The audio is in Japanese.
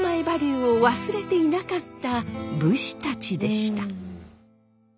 バリューを忘れていなかった武士たちでした。